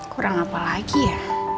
kurang apa lagi ya